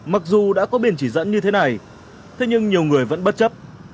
mặc dù đã có biển chỉ dẫn như thế này thế nhưng nhiều người vẫn bất chấp